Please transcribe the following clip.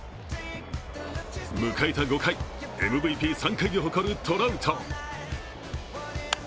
迎えた５回、ＭＶＰ３回を誇るトラウト。